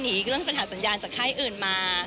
เรื่องปัญหาสัญญาณจากค่ายอื่นมา